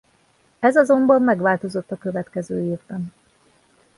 Ez azonban megváltozott a következő évben.